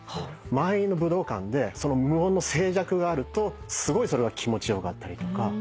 満員の武道館で無音の静寂があるとすごいそれが気持ち良かったりとか。